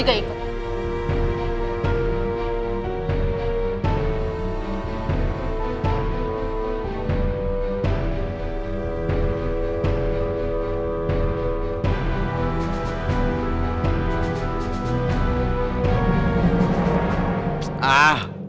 ini dia yang pengen sama saya